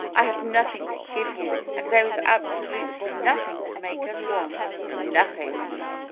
I have nothing to give you. And there is absolutely nothing to make us one ; nothing